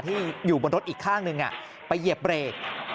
ที่อยู่บนรถอีกข้างหนึ่งไปเหยียบเบรก